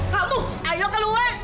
kamu ayo keluar